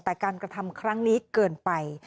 แต่การกระทำครั้งนี้เกินไป